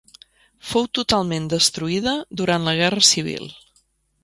Fou totalment destruïda durant la Guerra Civil.